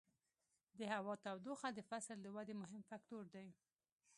د هوا تودوخه د فصل د ودې مهم فکتور دی.